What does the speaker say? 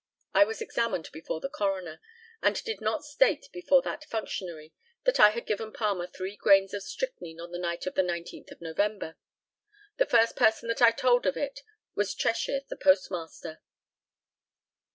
I was examined before the coroner, and did not state before that functionary that I had given Palmer three grains of strychnine on the night of the 19th of November. The first person that I told of it was Cheshire, the postmaster.